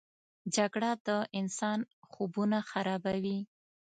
جګړه د انسان خوبونه خرابوي